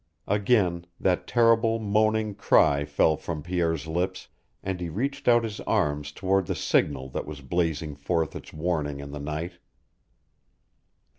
Again that terrible, moaning cry fell from Pierre's lips, and he reached out his arms toward the signal that was blazing forth its warning in the night.